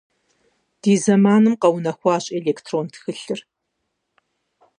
Ди зэманым къэунэхуащ электрон тхылъхэр.